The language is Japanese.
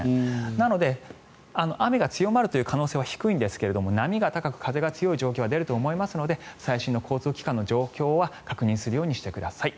なので雨が強まる可能性は低いんですが波が高く風が強い状況は出ると思いますので最新の交通機関の状況は確認するようにしてください。